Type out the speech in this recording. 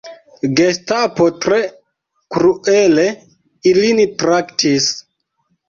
Gestapo tre kruele ilin traktis.